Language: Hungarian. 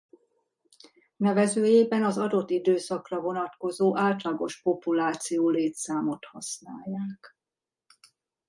Nevezőjében az adott időszakra vonatkozó átlagos populáció létszámot használják.